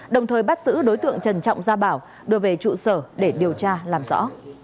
đồng thời bắt giữ đối tượng trần trọng gia bảo đưa về trụ sở để điều tra làm rõ